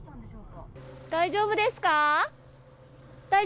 大丈夫ですか。